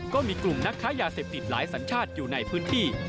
ก็มีกลุ่มนักค้ายาเสพติดหลายสัญชาติอยู่ในพื้นที่